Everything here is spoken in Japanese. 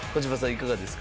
いかがですか？